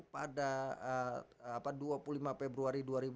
pada dua puluh lima februari dua ribu dua puluh